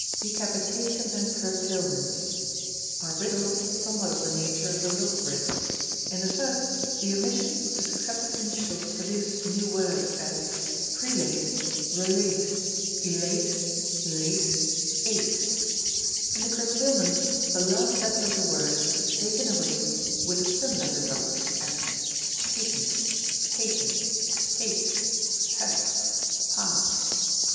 58. Decapitations and Curtailments are riddles somewhat of the nature of the Logogriph, which see. In the first, the omission of the successive initials produces new words, as Prelate, Relate, Elate, Late, Ate. In the curtailment the last letter of the word is taken away with a similar result, as Patent, Paten, Pate, Pat, Pa.